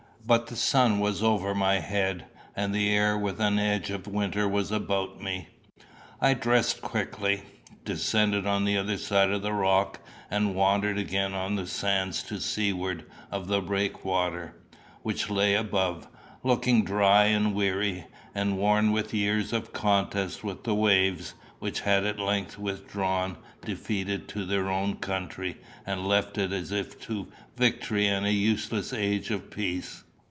But the sun was over my head, and the air with an edge of the winter was about me. I dressed quickly, descended on the other side of the rock, and wandered again on the sands to seaward of the breakwater, which lay above, looking dry and weary, and worn with years of contest with the waves, which had at length withdrawn defeated to their own country, and left it as if to victory and a useless age of peace.